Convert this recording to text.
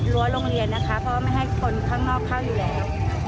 ตัวรั้วโรงเรียนนะคะไม่ให้คนข้างนอกเข้าอยู่แล้ว